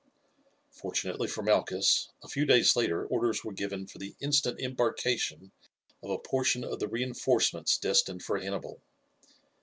Fortunately for Malchus, a few days later orders were given for the instant embarkation of a portion of the reinforcements destined for Hannibal.